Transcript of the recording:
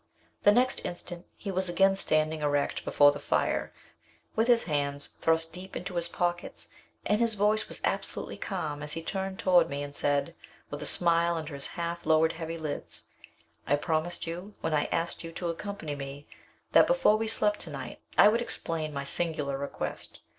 The next instant he was again standing erect before the fire, with his hands thrust deep into his pockets, and his voice was absolutely calm as he turned toward me and said, with a smile under his half lowered heavy lids, "I promised you, when I asked you to accompany me, that before we slept to night I would explain my singular request.